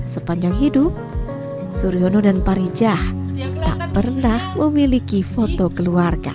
sepanjang hidup suryono dan parijah tak pernah memiliki foto keluarga